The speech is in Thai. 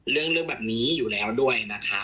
เรื่องแบบนี้อยู่แล้วด้วยนะคะ